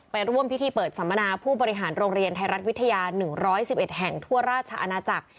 ร่วมพิธีเปิดสัมมนาผู้บริหารโรงเรียนไทยรัฐวิทยา๑๑๑แห่งทั่วราชอาณาจักร